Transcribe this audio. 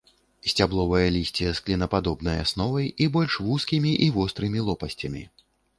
Сцябловае лісце з клінападобнай асновай і больш вузкімі і вострымі лопасцямі.